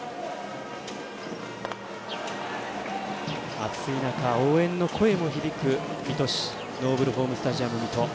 暑い中応援の声も響く水戸市ノーブルホームスタジアム水戸。